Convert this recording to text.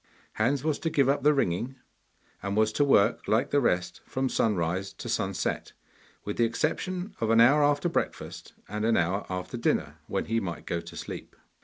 Hans was to give up the ringing, and was to work like the rest from sunrise to sunset, with the exception of an hour after breakfast and an hour after dinner, when he might go to sleep.